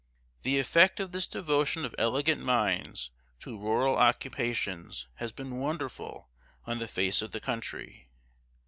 The effect of this devotion of elegant minds to rural occupations has been wonderful on the face of the country.